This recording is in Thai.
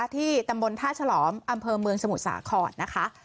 ที่ตำบลท่าฉลอมอำเภอเมืองสมุทรสาครนะคะ